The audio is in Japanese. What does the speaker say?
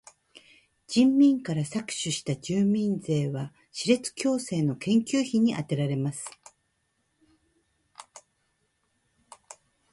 人民から搾取した住民税は歯列矯正の研究費にあてられます。